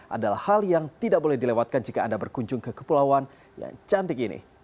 adalah hal yang tidak boleh dilewatkan jika anda berkunjung ke kepulauan yang cantik ini